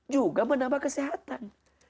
juga menambah kesehatan